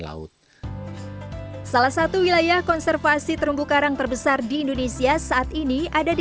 laut salah satu wilayah konservasi terumbu karang terbesar di indonesia saat ini ada di